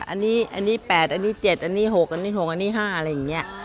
อันนี้๘อันนี้๗อันนี้๖อันนี้๖อันนี้๕อะไรอย่างนี้